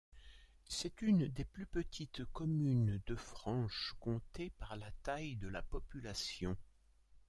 C'est une des plus petites communes de Franche-Comté par la taille de la population.